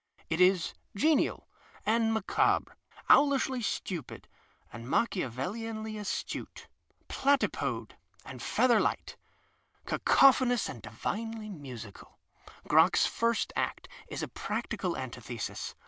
It is genial and macabre, owlishly stupid and Macehia vellianly astute, platypode and feather light, caco phonous and divine)}' musical. Crock's first act is a practical antithesis.